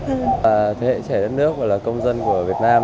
thế hệ trẻ đất nước và là công dân của việt nam